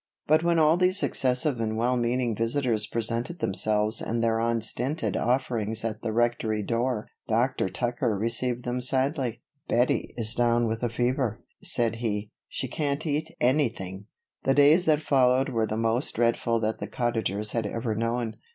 But when all these successive and well meaning visitors presented themselves and their unstinted offerings at the Rectory door, Dr. Tucker received them sadly. "Bettie is down with a fever," said he. "She can't eat anything." The days that followed were the most dreadful that the Cottagers had ever known.